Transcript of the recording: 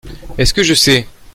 Est-ce que je sais !